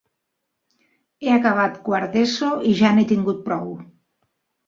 He acabat quart d'ESO i ja n'he tingut prou.